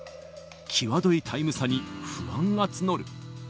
際どいタイム差に不安が募る。